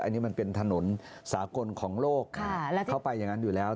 อันนี้มันเป็นถนนสากลของโลกเข้าไปอย่างนั้นอยู่แล้ว